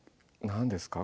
何ですか？